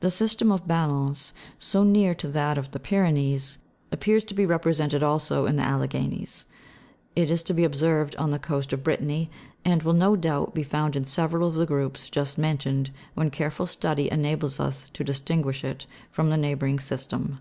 The system of Ballons, so near to that of the Pyrenees, appears to be represented also in the Alleghanies : it is to be observed on the coast of Brittany, and will no doubt be found in several of the groups just mentioned, when careful study enables us to distinguish it from the neighbouring system.